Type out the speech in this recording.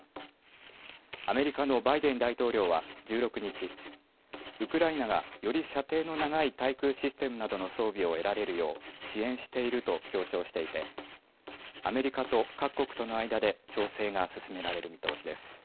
アメリカのバイデン大統領は１６日、ウクライナがより射程の長い対空システムなどの装備を得られるよう支援していると強調していてアメリカと各国との間で調整が進められる見通しです。